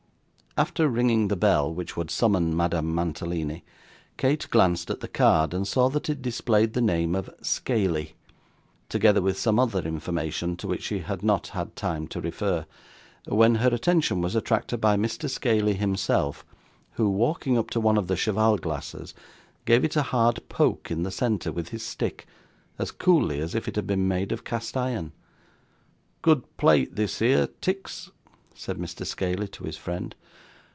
After ringing the bell which would summon Madame Mantalini, Kate glanced at the card, and saw that it displayed the name of 'Scaley,' together with some other information to which she had not had time to refer, when her attention was attracted by Mr. Scaley himself, who, walking up to one of the cheval glasses, gave it a hard poke in the centre with his stick, as coolly as if it had been made of cast iron. 'Good plate this here, Tix,' said Mr. Scaley to his friend.